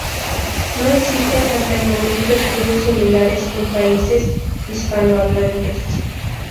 No existen hasta el momento estudios similares en países hispanohablantes.